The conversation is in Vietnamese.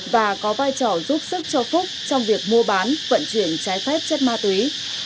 và có vai trò giúp sức cho phúc trong việc mua bán vận chuyển trái phép chất ma túy